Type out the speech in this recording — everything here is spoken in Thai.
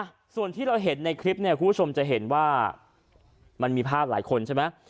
อ่ะส่วนที่เราเห็นในคลิปเนี่ยคุณผู้ชมจะเห็นว่ามันมีภาพหลายคนใช่ไหม